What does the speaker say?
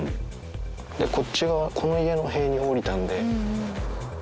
こっち側、この家の塀に下りたんで。